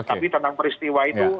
tapi tentang peristiwa itu